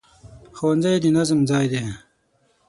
ښوونځی د نظم ځای دی